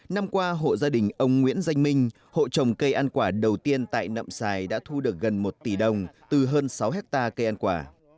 năm qua hộ gia đình ông nguyễn danh minh hộ trồng cây ăn quả đầu tiên tại nậm xài đã thu được gần một tỷ đồng từ hơn sáu hectare cây ăn quả